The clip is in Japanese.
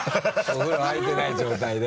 お風呂入ってない状態で？